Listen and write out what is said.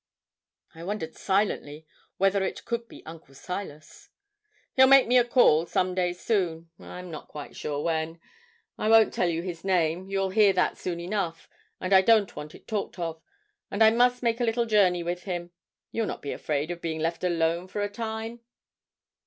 I wondered silently whether it could be Uncle Silas. 'He'll make me a call, some day soon; I'm not quite sure when. I won't tell you his name you'll hear that soon enough, and I don't want it talked of; and I must make a little journey with him. You'll not be afraid of being left alone for a time?'